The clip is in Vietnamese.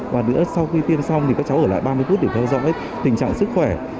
và nữa sau khi tiêm xong thì các cháu ở lại ba mươi phút để theo dõi tình trạng sức khỏe